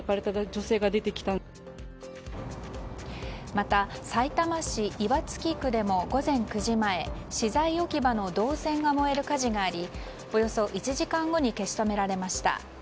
また、さいたま市岩槻区でも午前９時前資材置き場の銅線が燃える火事がありおよそ１時間後に消し止められました。